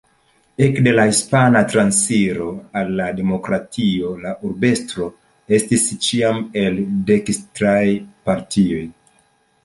Ekde la Hispana transiro al la demokratio la urbestro estis ĉiam el dekstraj partioj.